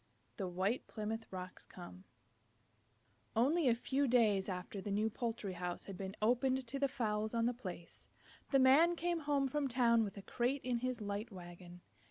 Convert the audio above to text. THE WHITE PLYMOUTH ROCKS COME Only a few days after the new poultry house had been opened to the fowls on the place, the Man came home from town with a crate in his light wagon.